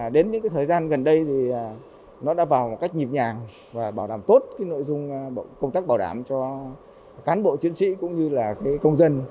đến những thời gian gần đây thì nó đã vào một cách nhịp nhàng và bảo đảm tốt nội dung công tác bảo đảm cho cán bộ chiến sĩ cũng như công dân